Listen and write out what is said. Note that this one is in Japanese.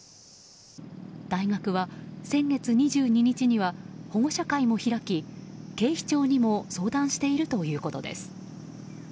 大学は、先月２２日には保護者会も開き警視庁にも相談しているということです。